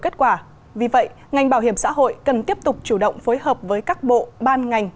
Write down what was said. kết quả vì vậy ngành bảo hiểm xã hội cần tiếp tục chủ động phối hợp với các bộ ban ngành